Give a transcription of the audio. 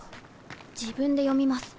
自分で読みます。